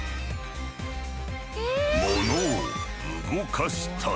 物を動かしたり。